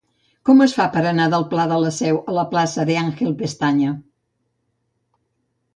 Com es fa per anar del pla de la Seu a la plaça d'Àngel Pestaña?